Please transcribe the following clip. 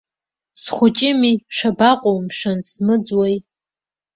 Схәыҷыми, шәабаҟоу, мшәан, смыӡуеи!